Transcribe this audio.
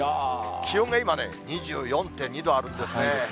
気温が今、２４．２度あるんですね。